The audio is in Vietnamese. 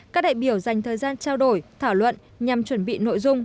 các đại biểu dành thời gian trao đổi thảo luận nhằm chuẩn bị nội dung